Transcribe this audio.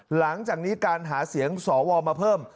หลังจากนี้การหาเสียงสวมาเพิ่ม